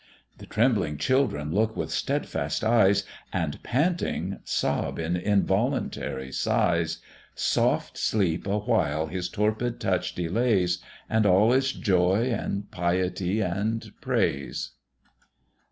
The trembling children look with steadfast eyes, And, panting, sob involuntary sighs: Soft sleep awhile his torpid touch delays, And all is joy and piety and praise.